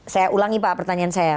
saya ulangi pak pertanyaan saya